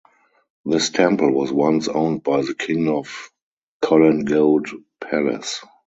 This temple was once owned by the king of Kollengode Palace.